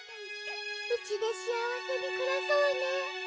うちでしあわせにくらそうね。